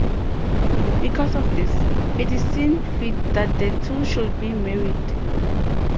Because of this, it is seen fit that the two should be married.